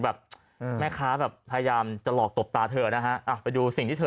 แบบแม่ค้าแบบพยายามจะหลอกตบตาเธอนะฮะอ่ะไปดูสิ่งที่เธอ